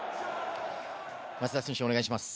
松田選手、お願いします。